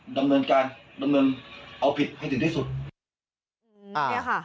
ดำเนินการดำเนินเอาผิดให้ถึงด้วยสุด